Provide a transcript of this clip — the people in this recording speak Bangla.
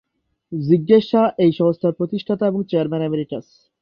জিজ্ঞেস শাহ এই সংস্থার প্রতিষ্ঠাতা এবং চেয়ারম্যান এমেরিটাস।